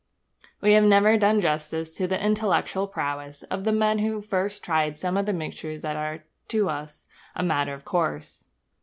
We have never done justice to the intellectual prowess of the men who first tried some of the mixtures that are to us a matter of course.